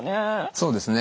そうですね